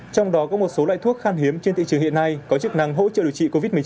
trong đó có một số loại thuốc khan hiếm trên thị trường hiện nay có chức năng hỗ trợ điều trị covid một mươi chín